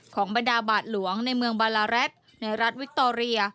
บรรดาบาทหลวงในเมืองบาลาแร็ดในรัฐวิคโตเรีย